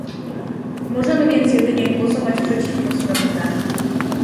Możemy więc jedynie głosować przeciwko sprawozdaniu